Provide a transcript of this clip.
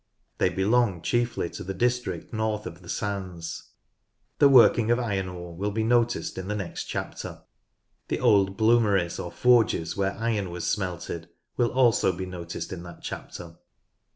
They belong chiefly to the district north of the sands. The working of iron ore will be noticed in the next chapter. The old " bloomeries " or forges where iron was smelted will also be noticed in that chapter.